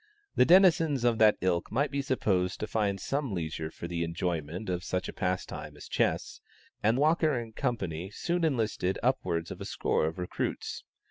The denizens of that ilk might be supposed to find some leisure for the enjoyment of such a pastime as chess, and Walker and Co. soon enlisted upwards of a score of recruits.